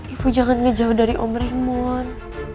ibu jangan ngejauh dari om remote